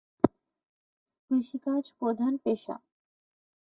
কৃষি কাজ প্রধান পেশা।